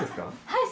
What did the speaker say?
はい。